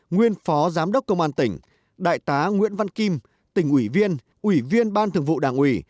nguyên phó giám đốc công an tỉnh đại tá nguyễn văn kim tỉnh ủy viên ủy viên ban thường vụ đảng ủy